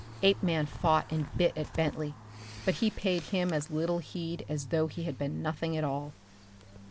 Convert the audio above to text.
Apeman fought and bit at Bentley, but he paid him as little heed as though he had been nothing at all.